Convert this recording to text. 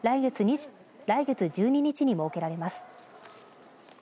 来月１２日に設けられます。